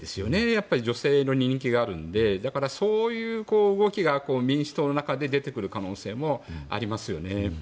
やっぱり女性の人気があるのでそういう動きが民主党の中で出てくる可能性もありますよね。